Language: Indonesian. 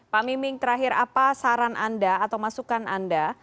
pak miming terakhir apa saran anda atau masukan anda